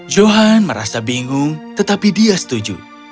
johan merasa bingung tetapi dia setuju